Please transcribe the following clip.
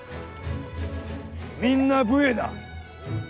みんな武衛だ。